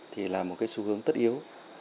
thì là một cái xu hướng tất yếu